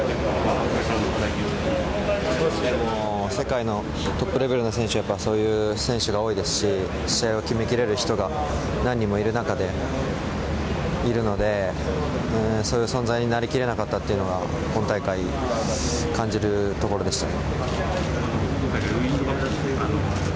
世界のトップレベルの選手はそういう選手が多いですし試合を決めきれる人が何人もいるのでそういう存在になり切れなかったというのは今大会、感じるところでしたね。